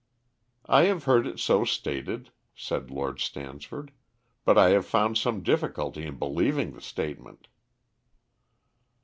"I have heard it so stated," said Lord Stansford, "but I have found some difficulty in believing the statement."